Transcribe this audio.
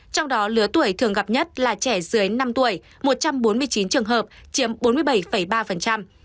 trong đó lứa tuổi thường gặp nhất là trẻ dưới năm tuổi một trăm bốn mươi chín trường hợp chiếm bốn mươi bảy ba